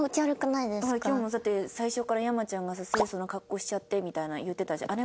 今日もだって最初から山ちゃんがさ「清楚な格好しちゃって」みたいな言ってたじゃん。